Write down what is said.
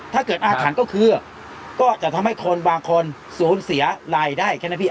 อาถรรพ์ก็คือก็จะทำให้คนบางคนสูญเสียรายได้แค่นั้นพี่